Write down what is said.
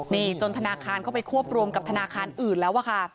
นี่จนธนาคารเข้าไปควบรวมกับธนาคารอื่นแล้วอะค่ะ